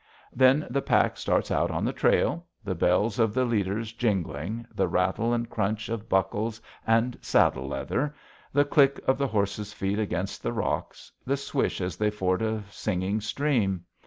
Then the pack starts out on the trail, the bells of the leaders jingling, the rattle and crunch of buckles and saddle leather, the click of the horses' feet against the rocks, the swish as they ford a singing stream.